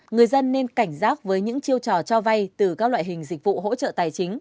người dân nên cảnh giác với những chiêu trò cho vay từ các loại hình dịch vụ hỗ trợ tài chính